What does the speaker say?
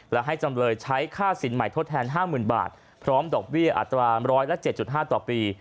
และให้จำเลยใช้ค่าสินใหม่ทดแทนห้ามหมื่นบาทพร้อมดอกเวี้ยอัตราร้อยและเจ็ดจุดห้าต่อปี